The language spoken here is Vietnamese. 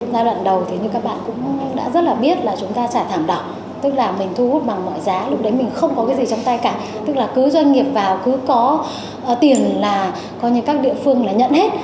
giai đoạn đầu thì như các bạn cũng đã rất là biết là chúng ta trả thẳng đọc tức là mình thu hút bằng mọi giá lúc đấy mình không có cái gì trong tay cả tức là cứ doanh nghiệp vào cứ có tiền là coi như các địa phương là nhận hết